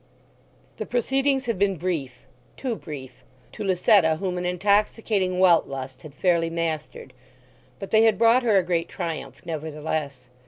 The proceedings had been brief—too brief—to Lucetta whom an intoxicating Weltlust had fairly mastered; but they had brought her a great triumph nevertheless.